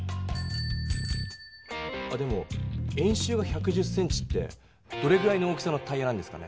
あでも円周が１１０ｃｍってどれぐらいの大きさのタイヤなんですかね？